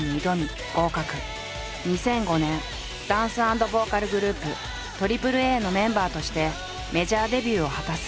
２００５年ダンス＆ボーカルグループＡＡＡのメンバーとしてメジャーデビューを果たす。